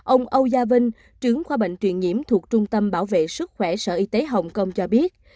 ông âu gia vinh trưởng khoa bệnh truyền nhiễm thuộc trung tâm bảo vệ sức khỏe sở y tế hồng kông cho biết